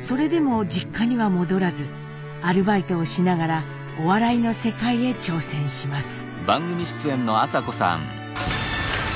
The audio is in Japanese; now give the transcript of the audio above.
それでも実家には戻らずアルバイトをしながらお笑いの世界へ挑戦します。